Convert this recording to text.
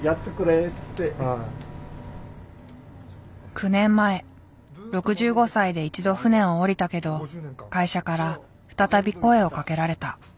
９年前６５歳で一度船をおりたけど会社から再び声をかけられた。